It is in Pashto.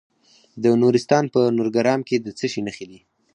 د نورستان په نورګرام کې د څه شي نښې دي؟